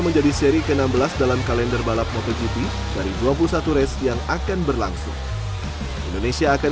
menjadi seri ke enam belas dalam kalender balap motogp dari dua puluh satu race yang akan berlangsung indonesia akan